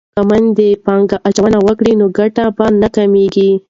که میندې پانګه اچونه وکړي نو ګټه به نه کمیږي.